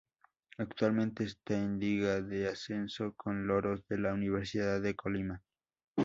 Actualmente esta en Liga de Ascenso con Loros de la Universidad de Colima.